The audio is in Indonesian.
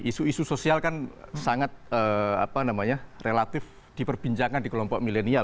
isu isu sosial kan sangat relatif diperbincangkan di kelompok milenial